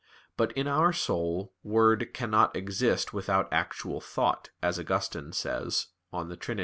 But in our soul word "cannot exist without actual thought," as Augustine says (De Trin.